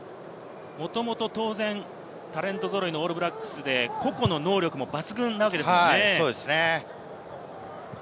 当然タレント揃いのオールブラックスで個々の能力も抜群なわけですからね。